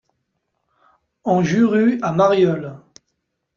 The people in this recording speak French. En Jurue à Marieulles